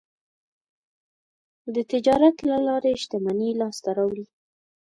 د تجارت له لارې شتمني لاسته راوړي.